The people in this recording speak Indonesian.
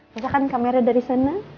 misalkan kamera dari sana